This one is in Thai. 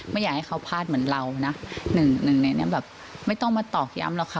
ไม่อยากให้เขาพลาดเหมือนเรานะหนึ่งหนึ่งในนั้นแบบไม่ต้องมาตอกย้ำหรอกค่ะ